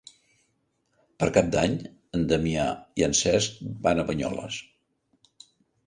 Per Cap d'Any en Damià i en Cesc van a Banyoles.